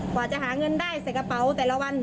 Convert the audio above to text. กว่าจะหาเงินได้ใส่กระเป๋าแต่ละวัน